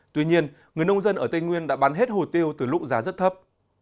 tuy nhiên người nông dân ở tây nguyên đã bán hết hồ tiêu từ lúc giá rất thấp